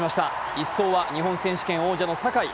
１走は日本選手権王者の坂井。